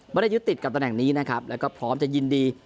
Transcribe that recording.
ไม่ได้ยึดติดกับตำแหน่งนี้นะครับแล้วก็พร้อมจะยินดี